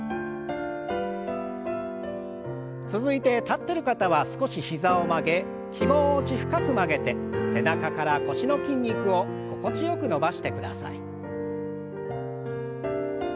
続いて立ってる方は少し膝を曲げ気持ち深く曲げて背中から腰の筋肉を心地よく伸ばしてください。